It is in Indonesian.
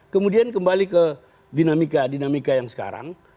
kemudian kembali ke dinamika dinamika yang sekarang